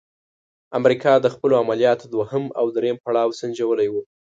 امریکا د خپلو عملیاتو دوهم او دریم پړاو سنجولی وو.